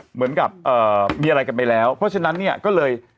เหมือนกับมีอะไรกันไปแล้วเพราะฉะนั้นเนี่ยก็เลย